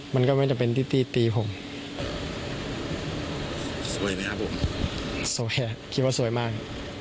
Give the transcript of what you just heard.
มันก็ไม่จำเป็นที่ตี้ตีผมสวยไหมครับผมสวยคิดว่าสวยมาก